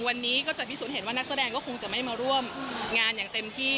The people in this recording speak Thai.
วันนี้ก็จะพิสูจนเห็นว่านักแสดงก็คงจะไม่มาร่วมงานอย่างเต็มที่